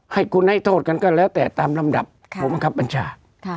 ให้คุณให้โทษกันก็แล้วแต่ตามลำดับผู้บังคับบัญชา